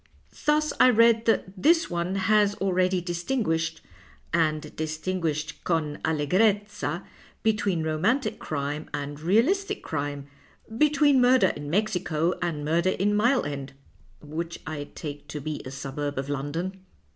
Thus I read that this one has already dislingiiished, and distinguished con alle grezza, between romantic crime and realistic crime, between murder in Mexico and murder in Mile End (which I take to be a suburb of London).